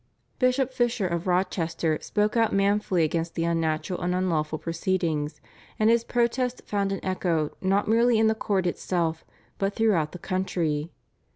Bishop Fisher of Rochester spoke out manfully against the unnatural and unlawful proceedings, and his protest found an echo not merely in the court itself but throughout the country.